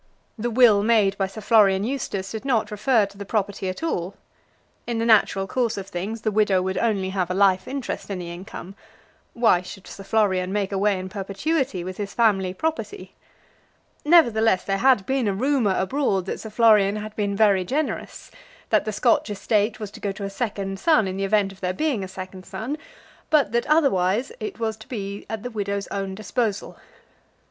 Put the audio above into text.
The will made by Sir Florian Eustace did not refer to the property at all. In the natural course of things, the widow would only have a life interest in the income. Why should Sir Florian make away, in perpetuity, with his family property? Nevertheless, there had been a rumour abroad that Sir Florian had been very generous; that the Scotch estate was to go to a second son in the event of there being a second son; but that otherwise it was to be at the widow's own disposal.